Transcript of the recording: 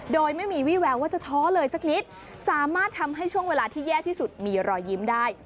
โดยไม่มีวี่แววว่าจะท้อเลยสักนิดสามารถทำให้ช่วงเวลาที่แย่ที่สุดมีรอยยิ้มได้